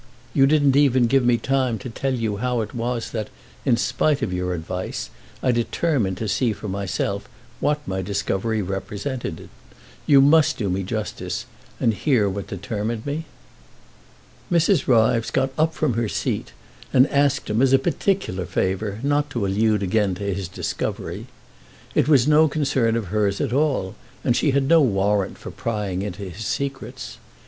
You didn't even give me time to tell you how it was that, in spite of your advice, I determined to see for myself what my discovery represented. You must do me justice and hear what determined me." Mrs. Ryves got up from her scat and asked him, as a particular favour, not to allude again to his discovery. It was no concern of hers at all, and she had no warrant for prying into his secrets.